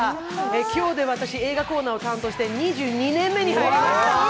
今日で私、映画コーナーを担当して２２年目に入りました。